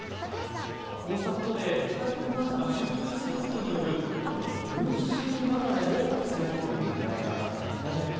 こうしたことで帰宅困難者が集中することによる群衆雪崩も防ごうというねらいがあるんですね。